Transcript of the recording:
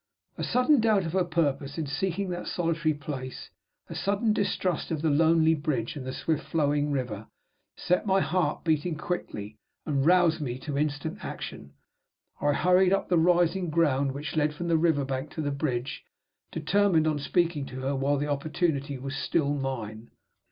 A sudden doubt of her purpose in seeking that solitary place, a sudden distrust of the lonely bridge and the swift flowing river, set my heart beating quickly and roused me to instant action. I hurried up the rising ground which led from the river bank to the bridge, determined on speaking to her while the opportunity was still mine.